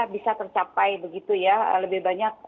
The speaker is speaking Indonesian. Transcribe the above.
bisa tercapai begitu ya lebih banyak